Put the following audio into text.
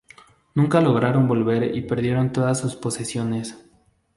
Nunca lograron volver y perdieron todas sus posesiones.